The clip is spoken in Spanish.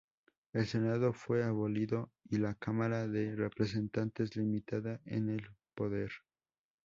El Senado fue abolido y la Cámara de Representantes limitada en el poder.